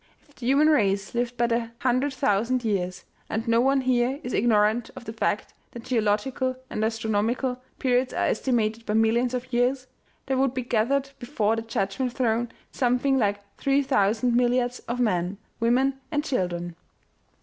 If the human race lived but a 100,000 years and no one here is ignorant of the fact that geological and astro nomical periods are estimated by millions of years there would be gathered before the judgment throne something like three thousand milliards of men, women and children.